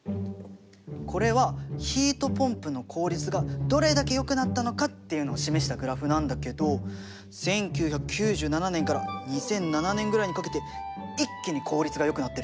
これはヒートポンプの効率がどれだけよくなったのかっていうのを示したグラフなんだけど１９９７年から２００７年くらいにかけて一気に効率がよくなってるよね？